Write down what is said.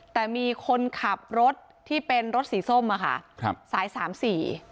แต่มีคนขับรถที่เป็นรถสีส้มอ่ะค่ะครับสายสามสี่